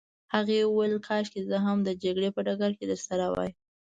هغې وویل: کاشکې زه هم د جګړې په ډګر کي درسره وای.